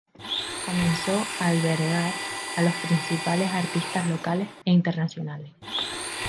Comenzó a albergar a los principales artistas locales e internacionales.